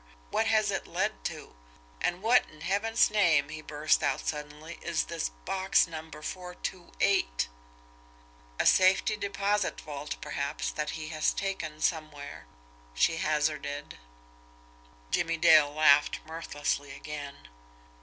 What has it led to? And what in Heaven's name," he burst out suddenly, "is this box number four two eight!" "A safety deposit vault, perhaps, that he has taken somewhere," she hazarded. Jimmie Dale laughed mirthlessly again.